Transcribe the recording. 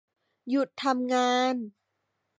หยุดทำงาน